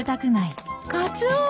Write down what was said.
カツオ。